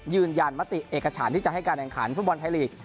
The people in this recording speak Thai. ยืนยันมติเอกฉันที่จะให้การแข่งขันฟุตบอลไทยลีก